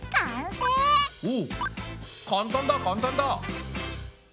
お簡単だ簡単だ！